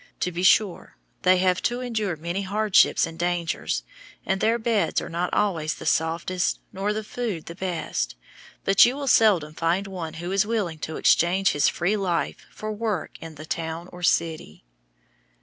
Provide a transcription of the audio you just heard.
To be sure, they have to endure many hardships and dangers, and their beds are not always the softest nor their food the best, but you will seldom find one who is willing to exchange his free life for work in the town or city.